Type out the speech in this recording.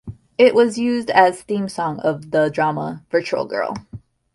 It was used as theme song of the drama "Virtual Girl".